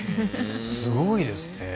すごいですね。